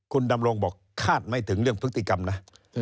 คุณดำรงบอกคาดไม่ถึงเรื่องพฤติกรรมนะ